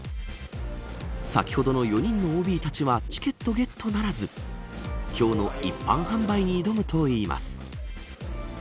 先ほどの４人のＯＢたちはチケットゲットならず今日の一般販売に挑むといいます。